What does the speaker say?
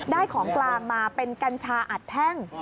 ของกลางมาเป็นกัญชาอัดแท่ง